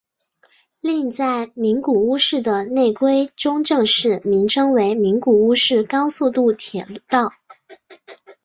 另在名古屋市的内规中正式名称为名古屋市高速度铁道。